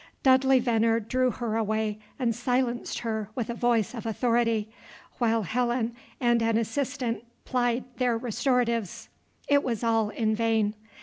Dudley Venner drew her away and silenced her with a voice of authority, while Helen and an assistant plied their restoratives. It was all in vain.